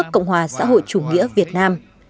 của chủ nghĩa việt nam